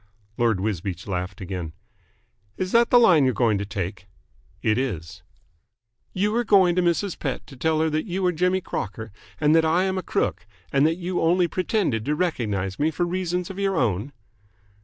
Lord Wisbeach laughed again. "Is that the line you are going to take?" "It is." "You are going to Mrs. Pett to tell her that you are Jimmy Crocker and that I am a crook and that you only pretended to recognise me for reasons of your own?"